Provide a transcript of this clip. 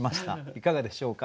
いかがでしょうか？